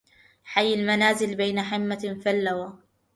حي المنازل بين حمة فاللوى